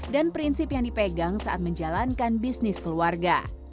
dan prinsip yang dipegang saat menjalankan bisnis keluarga